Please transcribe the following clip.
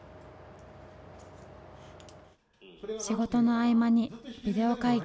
仕事の合間にビデオ会議。